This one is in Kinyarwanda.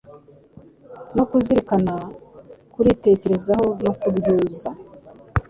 no kurizirikana (kuritekerezaho no kuryuza).